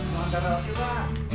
mau antar roti pak